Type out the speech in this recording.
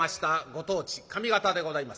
ご当地上方でございます。